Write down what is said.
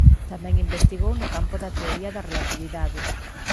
Tamén investigou no campo da teoría da relatividade.